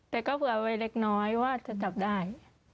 แต่ก็เผื่อไว้เล็กน้อยว่าจะจับได้